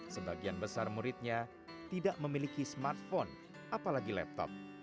sebagian besar muridnya tidak memiliki smartphone apalagi laptop